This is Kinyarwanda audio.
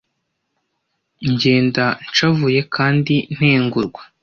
ngenda nshavuye kandi ntengurwa,